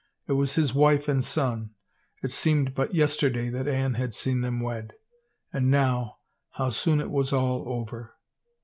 It was his wife and son. It seemed but yesterday that Anne had seen them wed. And now — how soon it was all over!